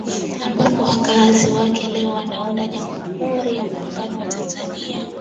ambapo wakazi wake leo wanaunda Jamhuri ya Muungano wa Tanzania